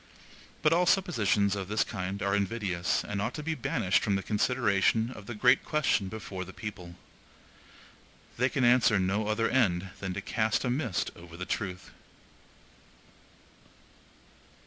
But all suppositions of this kind are invidious, and ought to be banished from the consideration of the great question before the people. They can answer no other end than to cast a mist over the truth.